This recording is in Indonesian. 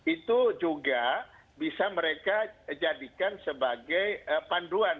itu juga bisa mereka jadikan sebagai panduan